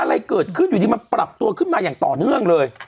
อะไรเกิดขึ้นอยู่ดีมันปรับตัวขึ้นมาอย่างต่อเนื่องเลย